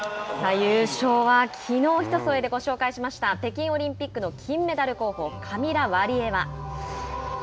優勝はきのう「ひとそえ」でご紹介した北京オリンピックの金メダル候補カミラ・ワリエワ。